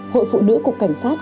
hội phụ nữ cục cảnh sát